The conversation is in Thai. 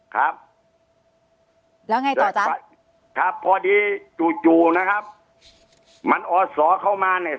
ครับแล้วไงต่อจ๊ะครับพอดีจู่จู่นะครับมันอศเข้ามาเนี่ย